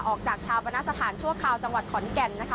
ออกจากชาวบรรณสถานชั่วคราวจังหวัดขอนแก่นนะคะ